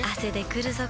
くるぞ？